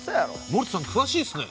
森田さん詳しいっすね。